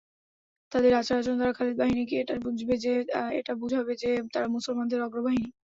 তাদের আচার-আচরণ দ্বারা খালিদ বাহিনীকে এটা বুঝাবে যে, তারা মুসলমানদের অগ্রবাহিনী।